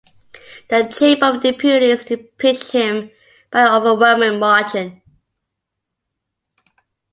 The Chamber of Deputies impeached him by an overwhelming margin.